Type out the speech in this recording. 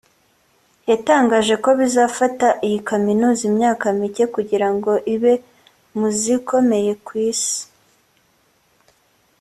yatangaje ko bizafata iyi kaminuza imyaka mike kugira ngo ibe mu zikomeye ku Isi